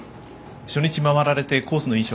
初日、回られて、コースの印象